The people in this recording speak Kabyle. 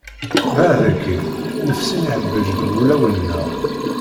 Baɛed akin! Nnefs-im ihebbej deg wulawen-nneɣ.